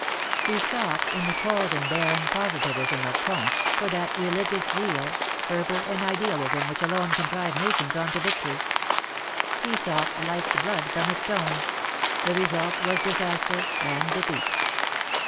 He sought, in the cold and barren Positivism of Comte, for that religious zeal, fervour and idealism which alone can drive nations on to victory. He sought life's blood from a stone — the result was disaster and defeat.